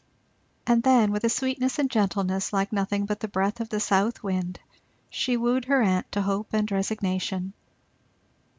And then with a sweetness and gentleness like nothing but the breath of the south wind, she wooed her aunt to hope and resignation.